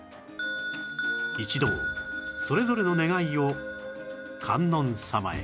一同それぞれの願いを観音様へ